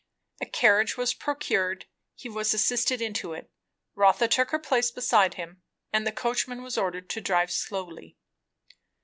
A carriage was procured, he was assisted into it, Rotha took her place beside him, and the coachman was ordered to drive slowly.